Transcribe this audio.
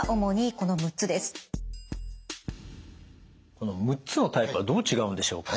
この６つのタイプはどう違うんでしょうか？